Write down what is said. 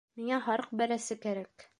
Миңә һарыҡ бәрәсе кәрәк.